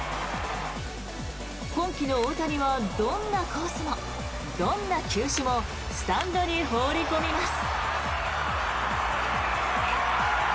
今季の大谷はどんなコースも、どんな球種もスタンドに放り込みます。